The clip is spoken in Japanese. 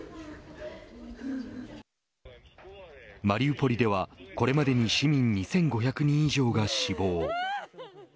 マリウポリでは、これまでに市民２５００人以上が死亡。